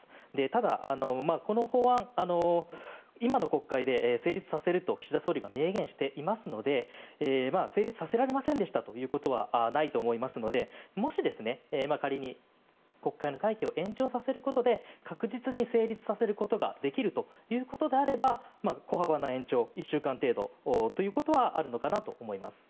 ただ、この法案今の国会で成立させると岸田総理が明言していますので成立させられませんでしたということはないと思いますのでもし仮に国会の会期を延長させることで確実に成立させることができるということであれば小幅な延長、１週間程度はあるのかなと思います。